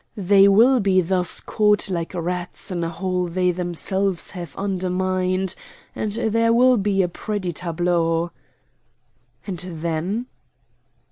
They will be thus caught like rats in a hole they themselves have undermined; and there will be a pretty tableau." "And then?"